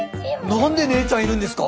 何で姉ちゃんいるんですか！